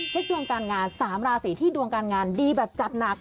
ดวงการงาน๓ราศีที่ดวงการงานดีแบบจัดหนัก